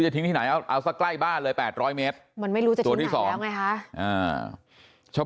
รู้ที่หน้าแรกบ้าเลย๘๐๐เมตรไม่รู้ตัวที่สองแล้วไงคะชาว